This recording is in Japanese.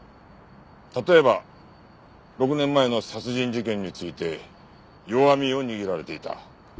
例えば６年前の殺人事件について弱みを握られていた。